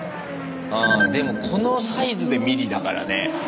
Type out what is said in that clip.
でもこのサイズでミリだからね。